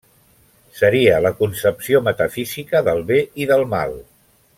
Seria la concepció metafísica del bé i del mal.